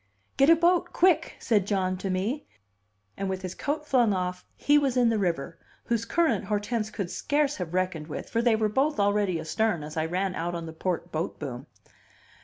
"Get a boat, quick," said John to me; and with his coat flung off he was in the river, whose current Hortense could scarce have reckoned with; for they were both already astern as I ran out on the port boat boom.